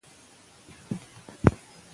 ایا کرکه یوازې د ځوانانو ځانګړتیا ده؟